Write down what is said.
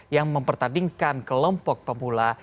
yang mempertandingkan kelompok pemula